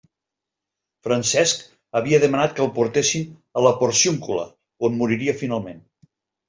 Francesc havia demanat que el portessin a la Porciúncula, on moriria finalment.